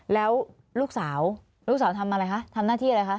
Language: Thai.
แล้วลูกสาวลูกสาวทำอะไรคะทำหน้าที่อะไรคะ